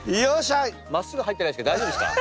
まっすぐ入ってないですけど大丈夫ですか？